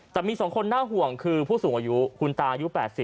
แต่มี๒คนน่าห่วงคือผู้สูงอายุคุณตายุ๘๐